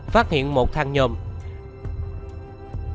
phát hiện một nắp bảo vệ thẻ nhớ camera